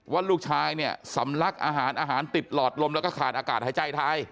ว่าลูกชายเนี่ยสำลักอาหารอาหารติดหลอดลมแล้วก็ขาดอากาศหายใจไทย